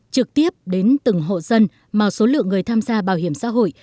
trực tiếp đến từng hộ dân mà số lượng người tham gia bảo hiểm xã hội